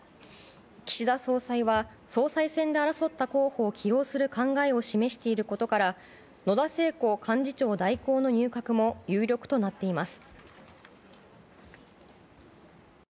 岸田総裁は総裁選で争った候補を起用する考えを示していることから野田聖子幹事長代行の入閣も有力となっています。